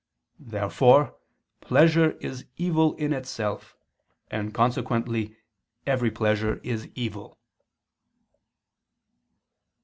Therefore pleasure is evil in itself; and consequently every pleasure is evil.